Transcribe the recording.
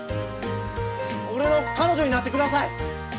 俺の彼女になってください！